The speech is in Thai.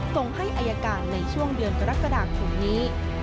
ส่งให้อายการในช่วงเดือนกระดักกระดาษตรงนี้